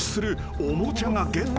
［おもちゃゲット？］